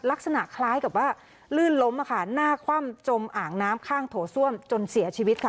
ลักษณะคล้ายกับว่าลื่นล้มค่ะหน้าคว่ำจมอ่างน้ำข้างโถส้วมจนเสียชีวิตค่ะ